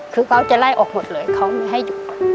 คือเขาจะไล่ออกหมดเลยเขามีให้หยุด